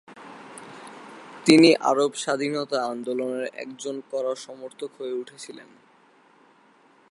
তিনি আরব স্বাধীনতা আন্দোলনের একজন কড়া সমর্থক হয়ে উঠেছিলেন।